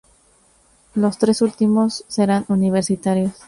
Los tres últimos serán universitarios.